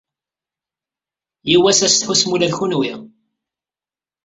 Yiwwas ad s-tḥussem ula d kunwi.